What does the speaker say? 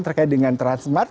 terkait dengan transmart